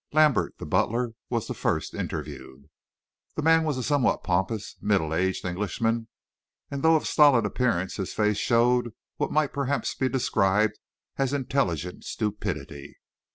Lambert, the butler, was first interviewed. The man was a somewhat pompous, middle aged Englishman, and though of stolid appearance, his face showed what might perhaps be described as an intelligent stupidity.